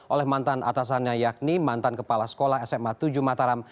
oleh mantan atasannya yakni mantan kepala sekolah sma tujuh mataram